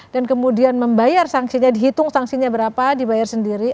dan kemudian membayar sanksinya dihitung sanksinya berapa dibayar sendiri